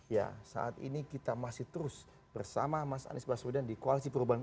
ya saat ini kita masih terus bersama mas anies baswedan di koalisi perubahan